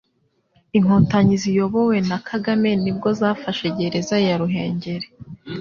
Inkotanyi ziyobowe na Kagame ni bwo zafashe Gereza ya Ruhengeri,